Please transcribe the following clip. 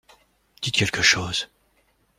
Dites quelque chose.